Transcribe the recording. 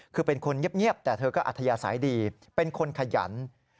คือเป็นคนเงียบแต่เธอก็อัธยาศัยดีเป็นคนขยัน